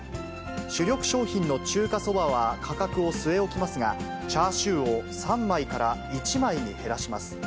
主力商品の中華そばは価格を据え置きますが、チャーシューを３枚から１枚に減らします。